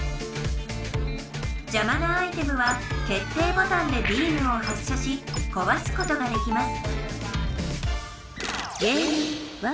じゃまなアイテムは決定ボタンでビームを発射しこわすことができます